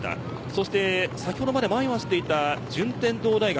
そして先ほどまで前を走っていた順天堂大学。